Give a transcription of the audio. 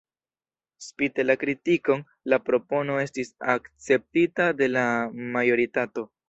Spite la kritikon, la propono estis akceptita de la majoritato.